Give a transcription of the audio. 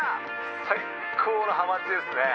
最高のハマチですね！